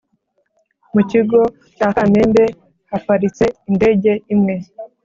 Mu kigo cya kamembe haparitse indege imwe